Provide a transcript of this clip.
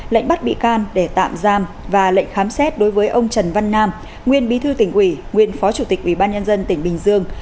lệnh bắt bị can để tạm giam và lệnh khám xét đối với ông trần văn nam nguyên bí thư tỉnh quỷ nguyên phó chủ tịch ubnd tp bình dương